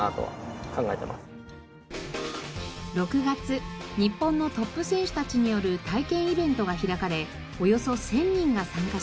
６月日本のトップ選手たちによる体験イベントが開かれおよそ１０００人が参加しました。